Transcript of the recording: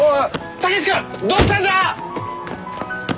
武志君どうしたんだ！？